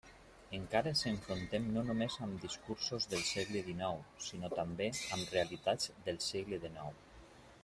Encara ens enfrontem no només amb discursos del segle dinou, sinó també amb realitats del segle dinou.